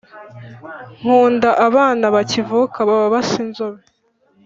nkunda abana bakivuka baba basa inzobe